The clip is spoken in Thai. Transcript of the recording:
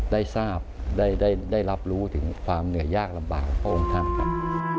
ได้ทราบได้รับรู้ถึงความเหนื่อยยากลำบากของพระองค์ท่านครับ